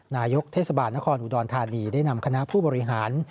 นายกเทศบาลนครอุดรธานีได้นำคณะผู้บริหาร